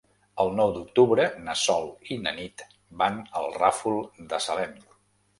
El nou d'octubre na Sol i na Nit van al Ràfol de Salem.